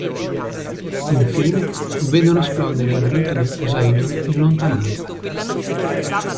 Infine vedono esplodere il relitto del "Poseidon" in lontananza.